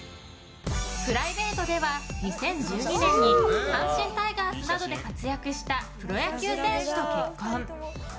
プライベートでは２０１２年に阪神タイガースなどで活躍したプロ野球選手と結婚。